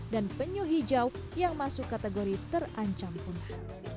dan penyu hijau yang masuk kategori terancam punah